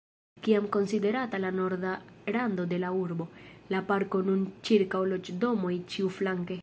Kiam konsiderata la norda rando de la urbo, la parkon nun ĉirkaŭ loĝdomoj ĉiuflanke.